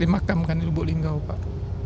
dimakamkan di lubuk linggau pak